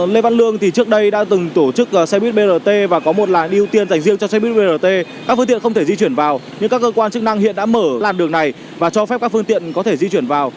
lê văn lương thì trước đây đã từng tổ chức xe buýt brt và có một làn ưu tiên dành riêng cho xe buýt brt các phương tiện không thể di chuyển vào nhưng các cơ quan chức năng hiện đã mở làn đường này và cho phép các phương tiện có thể di chuyển vào